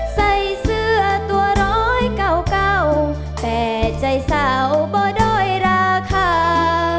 ใส่เสื้อตัวร้อยเก่าแต่ใจสาวบ่ด้อยราคา